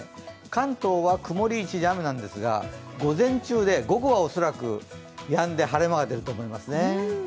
関東は曇り一時雨なんですが午前中で、午後は恐らくやんで晴れ間が出ると思いますね。